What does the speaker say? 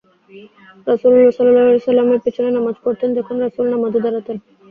রাসূলুল্লালাহ সাল্লাল্লাহু আলাইহি ওয়াসাল্লামের পিছনে নামায পড়তেন, যখন রাসূল নামাযে দাঁড়াতেন।